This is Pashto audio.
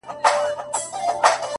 • هم ډنګر وو هم له رنګه لکه سکور وو,